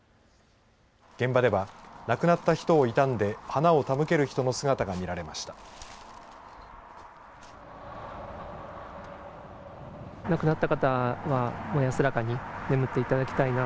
現場では亡くなった人を悼んで花を手向ける人の姿が見られました。